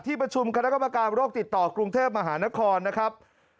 ประชุมคณะกรรมการโรคติดต่อกรุงเทพมหานครนะครับ